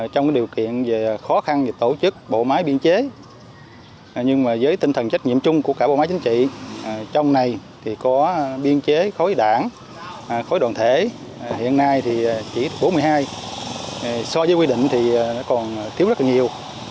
trong điều kiện về khó khăn về tổ chức bộ máy biên chế nhưng mà với tinh thần trách nhiệm chung của cả bộ máy chính trị trong này thì có biên chế khối đảng khối đoàn thể hiện nay thì chỉ bốn mươi hai so với quy định thì còn thiếu rất là nhiều